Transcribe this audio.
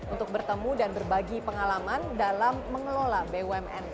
untuk bertemu dan berbagi pengalaman dalam mengelola bumn